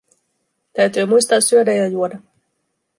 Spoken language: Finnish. Täytyy muistaa syödä ja juoda.